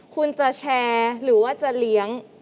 คุณจะแชร์หรือว่าจะเลี้ยง